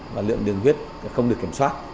và lượng đường huyết không được kiểm soát